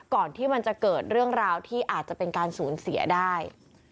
ก่อนที่มันจะเกิดเรื่องราวที่อาจจะเป็นการสูญเสียได้